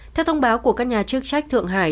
theo thông báo của các nhà chức trách thượng hải